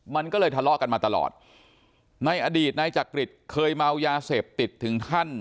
มันก็เลยทะเลาะกันมาตลอดในอดีตนายจักริตเคยเมายาเสพติดถึงขั้น